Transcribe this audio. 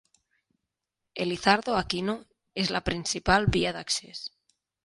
Elizardo Aquino és la principal via d'accés.